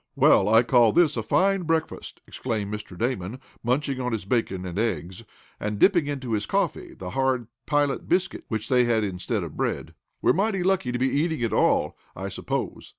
"Well, I call this a fine breakfast," exclaimed Mr. Damon, munching his bacon and eggs, and dipping into his coffee the hard pilot biscuit, which they had instead of bread. "We're mighty lucky to be eating at all, I suppose."